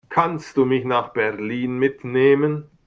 Kannst du mich nach Berlin mitnehmen?